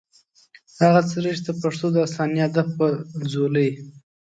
هغه څېره چې د پښتو داستاني ادب پۀ ځولۍ